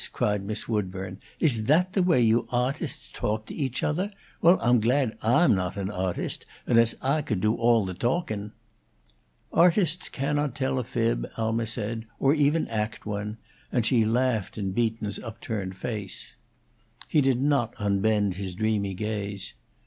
cried Miss Woodburn. "Is that the way you awtusts talk to each othah? Well, Ah'm glad Ah'm not an awtust unless I could do all the talking." "Artists cannot tell a fib," Alma said, "or even act one," and she laughed in Beaton's upturned face. He did not unbend his dreamy gaze.